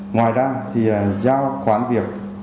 ngoài ra thì giao khoán việc